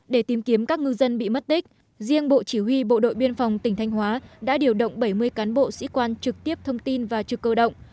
để tìm kiếm các ngư dân bị mất tích riêng bộ chỉ huy bộ đội biên phòng tỉnh thanh hóa đã điều động bảy mươi cán bộ sĩ quan trực tiếp thông tin và trực cơ động